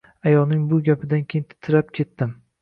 Ayolning bu gapidan keyin titrab ketdim